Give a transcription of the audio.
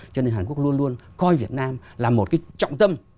cho nên hàn quốc luôn luôn coi việt nam là một cái trọng tâm